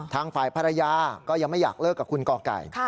ทางฝ่ายภรรยาก็ยังไม่อยากเลิกกับคุณกไก่